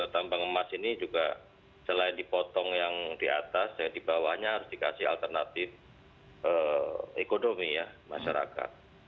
tambang emas ini juga selain dipotong yang di atas dan di bawahnya harus dikasih alternatif ekonomi ya masyarakat